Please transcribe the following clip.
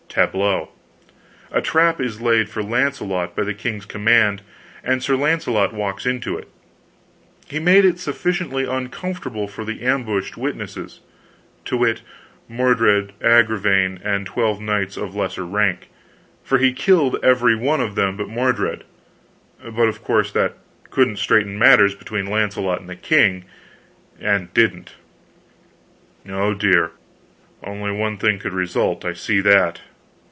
Tableau. A trap is laid for Launcelot, by the king's command, and Sir Launcelot walks into it. He made it sufficiently uncomfortable for the ambushed witnesses to wit, Mordred, Agravaine, and twelve knights of lesser rank, for he killed every one of them but Mordred; but of course that couldn't straighten matters between Launcelot and the king, and didn't." "Oh, dear, only one thing could result I see that.